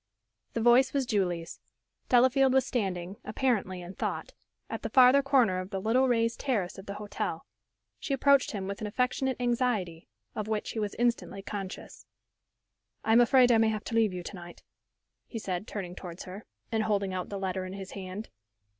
The voice was Julie's. Delafield was standing, apparently in thought, at the farther corner of the little, raised terrace of the hotel. She approached him with an affectionate anxiety, of which he was instantly conscious. "I am afraid I may have to leave you to night," he said, turning towards her, and holding out the letter in his hand.